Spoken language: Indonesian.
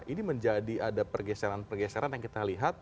ini menjadi ada pergeseran pergeseran yang kita lihat